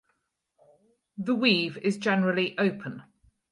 The weave is generally open.